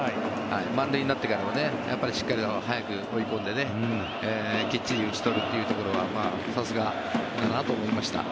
満塁になってからはしっかり早く追い込んできっちり打ち取るというところはさすがだなと思いました。